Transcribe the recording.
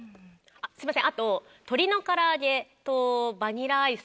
あっすいません